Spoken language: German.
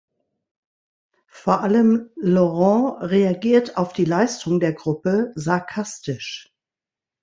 Vor allem Laurent reagiert auf die Leistung der Gruppe sarkastisch.